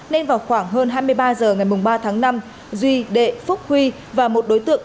nên vào khoảng hơn hai mươi ba h ngày ba tháng năm duy đệ phúc huy và một đối tượng